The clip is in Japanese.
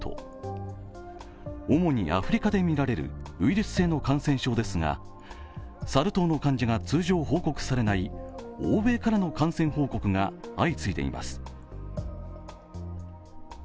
主にアフリカで見られるウイルス性の感染症ですがサル痘の患者が通常報告されない欧米からの感染報告が相次いでいます。